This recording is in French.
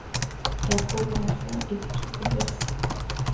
La pauvre enfant était toute bouleversée.